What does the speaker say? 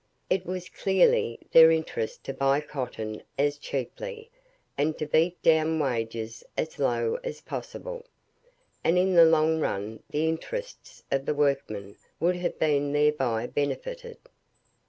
It was clearly their interest to buy cotton as cheaply, and to beat down wages as low as possible. And in the long run the interests of the workmen would have been thereby benefited.